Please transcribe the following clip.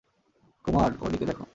কুমার, ওদিকে দেখ।